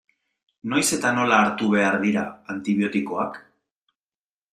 Noiz eta nola hartu behar dira antibiotikoak?